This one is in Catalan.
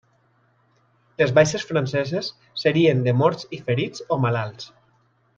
Les baixes franceses serien de morts i ferits o malalts.